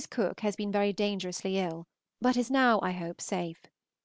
Cooke has been very dangerously ill, but is now, I hope, safe.